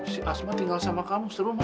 si asma tinggal sama kamu setelah rumah